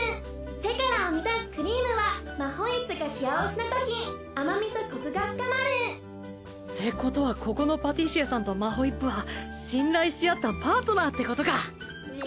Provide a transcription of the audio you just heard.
手から生み出すクリームはマホイップが幸せなとき甘みとコクが深まる。ってことはここのパティシエさんとマホイップは信頼し合ったパートナーってことか。